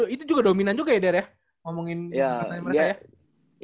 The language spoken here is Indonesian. itu juga dominan juga ya der ya ngomongin katanya mereka ya